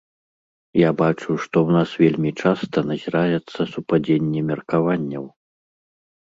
Я бачу, што ў нас вельмі часта назіраецца супадзенне меркаванняў.